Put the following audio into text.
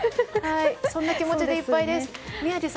そんな気持ちでいっぱいです。